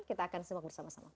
kita akan simak bersama sama